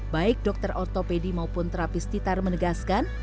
baik dokter ortopedi maupun terapis titar menegaskan